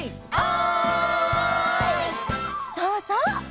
そうそう！